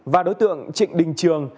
và đối tượng trịnh đình trường